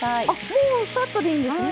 もうサッとでいいんですね？